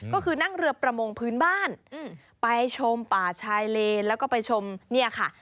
ก็คือนั่งเรือประมงพื้นบ้านไปชมป่าชายเลนแล้วก็ไปชมเนี่ยค่ะ